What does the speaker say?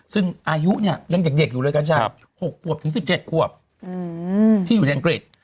ซึ่งอายุเนี่ยยังอย่างเด็กอยู่เลยกันใช่ปะ๖๑๗ควบที่อยู่ในอังกฤษ